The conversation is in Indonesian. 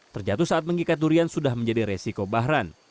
terjatuh saat mengikat durian sudah menjadi resiko bahran